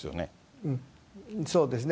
そうですね。